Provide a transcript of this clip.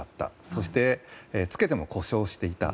そして、つけても故障していた。